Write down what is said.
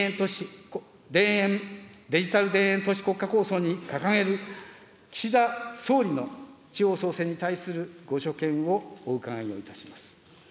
デジタル田園都市構想に掲げる岸田総理の地方創生に対するご所見をお伺いをいたします。